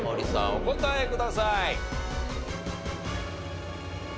お答えください。